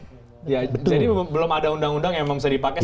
jadi belum ada undang undang yang bisa dipakai